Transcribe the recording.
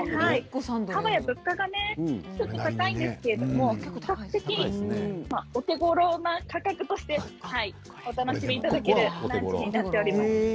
ハワイ、物価がちょっと高いんですけれど比較的お手ごろな価格としてお楽しみいただける形になっております。